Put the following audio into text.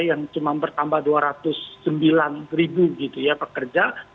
yang cuma bertambah dua ratus sembilan ribu gitu ya pekerja